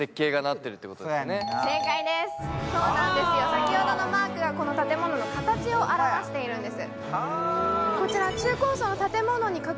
先ほどのマークがこの建物の形を表しているんです。